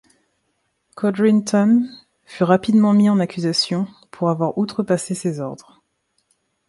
Codrington fut rapidement mis en accusation pour avoir outrepassé ses ordres.